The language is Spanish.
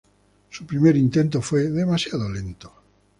Su primer intento fue demasiado lento.